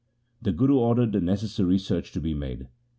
The Guru ordered the necessary search to be made.